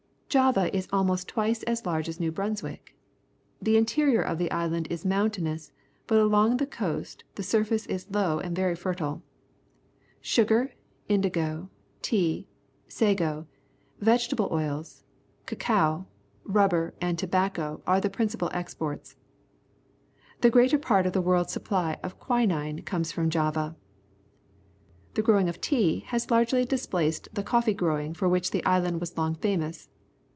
— Java is almost twice as large as New Brunswick. The interior of the island is mountainous, but along the coast the sur face is low and very fertile. Sugar, indigo, tea, sago, vegetable oils, cacao, rubber, and tobacco are the principal exports. The greater part of the world's supply of quinine comes from Java. The gro\\ ing of tea has largely displaced the coffee growdng for which the island was long famous.